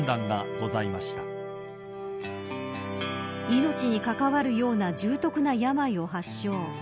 命に関わるような重篤な病を発症。